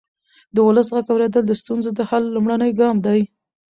د ولس غږ اورېدل د ستونزو د حل لومړنی ګام دی